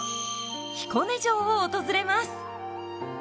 彦根城を訪れます。